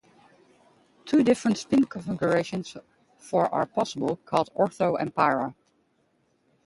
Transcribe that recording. Two different spin configurations for are possible, called ortho and para.